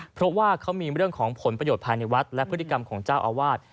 เพราะว่าเขามีเรื่องของผลประโยชน์ภายในวัดและพฤติกรรมของเจ้าอาวาส